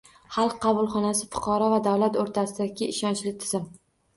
Xalq qabulxonasi fuqaro va davlat o‘rtasidagi ishonchli tizim